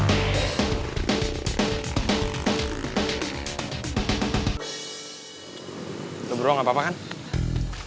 kalau giangnya pengen mencapai seribu tc